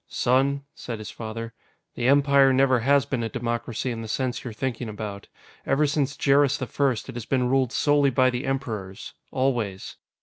"Son," said his father, "the Empire never has been a democracy in the sense you're thinking about. Ever since Jerris the First, it has been ruled solely by the Emperors. Always.